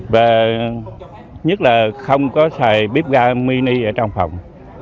và nhất là không có xài bíp ga mini ở trong phòng